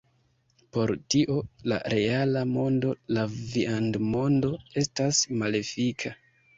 Por tio, la reala mondo, la viandmondo, estas malefika.